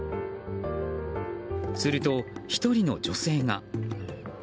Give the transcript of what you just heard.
すると１人の女性が。